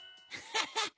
ハハハッ。